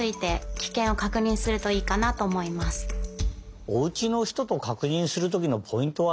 おうちのひととかくにんするときのポイントはありますか？